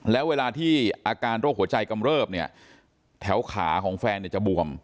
แล้วเวลาที่อาการโรคหัวใจกำเริบเนี่ยแถวขาของแฟนเนี่ยจะบวม